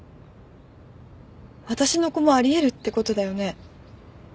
私の子もあり得るってことだよね？